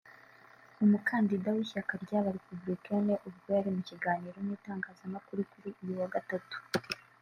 umukandida w’ishyaka ry’aba Républicains ubwo yari mu kiganiro n’itangazamakuru kuri uyu wa gatatu